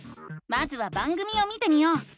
まずは番組を見てみよう！